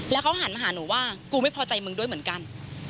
แล้วเขาหันมาหาหนูว่ากูไม่พอใจมึงด้วยเหมือนกัน